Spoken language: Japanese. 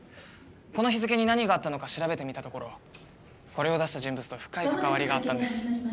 この日付に何があったのか調べてみたところこれを出した人物と深い関わりがあったんです。